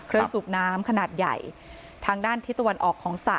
สูบน้ำขนาดใหญ่ทางด้านทิศตะวันออกของสระ